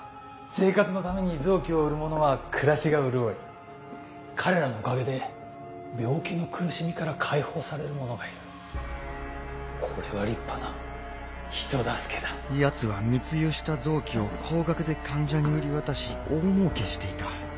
生活のために臓器を売る者は暮らしが潤い彼らのおかげで病気の苦しみから解放される者がいるこれは立派な人助けだヤツは密輸した臓器を高額で患者に売り渡し大もうけしていた。